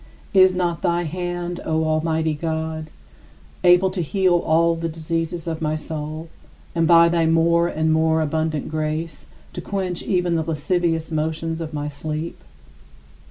42. Is not thy hand, O Almighty God, able to heal all the diseases of my soul and, by thy more and more abundant grace, to quench even the lascivious motions of my sleep?